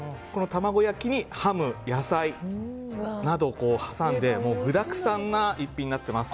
卵焼きにハム、野菜などを挟んで、具だくさんな一品です。